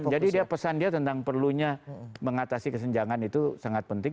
jadi dia pesan dia tentang perlunya mengatasi kesenjangan itu sangat penting